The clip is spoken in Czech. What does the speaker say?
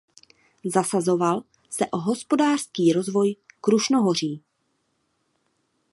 Zasazoval se o hospodářský rozvoj Krušnohoří.